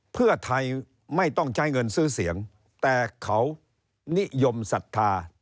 เพื่อไทยไม่ต้องใช้เงินซื้อเสียงแต่เขานิยมศรัทธา